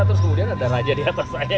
terus kemudian ada raja di atas saya